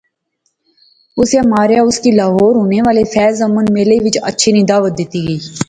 اسے ماریا اس کی لہور ہونے والے فیض امن میلے وچ اچھے نی دعوت دتی گئی